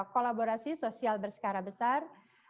kolaborasi sosial bersikara besar